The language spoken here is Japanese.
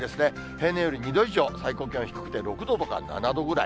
平年より２度以上、最高気温低くて６度とか７度ぐらい。